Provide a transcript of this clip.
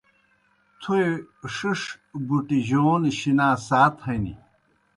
تھوئے ݜِݜ بُٹِیْجَون شِنا سات ہنیْ۔